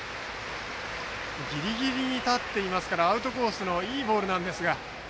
ギリギリに立っていますからアウトコースのいいボールなんですが。